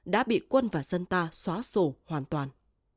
đã bị quân và dân ta xóa sổ hoàn toàn